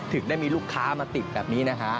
ถึงได้มีลูกค้ามาติดแบบนี้นะฮะ